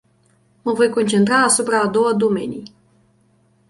Mă voi concentra asupra a două domenii.